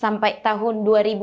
sampai tahun dua ribu dua puluh